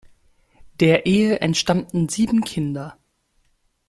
Der Ehe entstammten sieben Kinder.